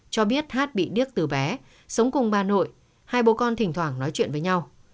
cho biết hát bị điếc từ bé sống cùng bà nội hai bố con thỉnh thoảng nói chuyện với nhau